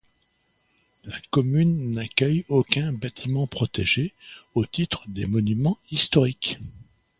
La commune n’accueille aucun bâtiment protégé au titre des monuments historiques.